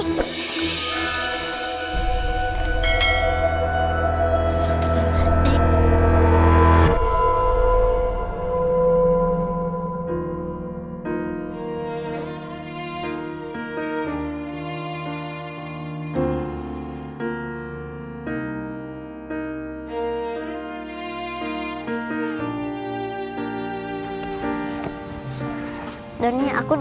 saatnya anak bukankah yanggenter